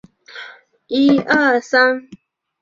陈淑芬是台湾的漫画家。